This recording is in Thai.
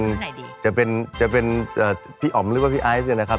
คือจริงจะเป็นพี่อ๋อมนึกว่าพี่อายนะครับ